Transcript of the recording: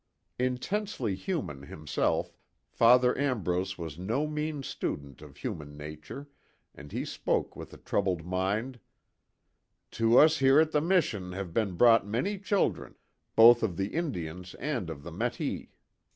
Intensely human himself, Father Ambrose was no mean student of human nature, and he spoke with a troubled mind: "To us here at the mission have been brought many children, both of the Indians and of the Metis.